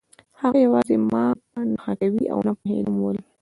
هغه یوازې ما په نښه کوي او نه پوهېدم ولې